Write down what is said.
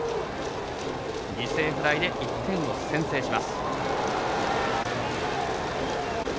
犠牲フライで１点を先制します。